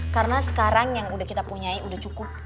karena sekarang yang udah kita punyai udah cukup